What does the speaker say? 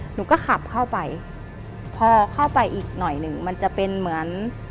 หนูก็ขับเข้าไปพอเข้าไปอีกหน่อยหนึ่งมันจะเป็นเหมือน